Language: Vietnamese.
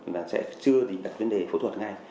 người ta sẽ chưa định đặt vấn đề phẫu thuật ngay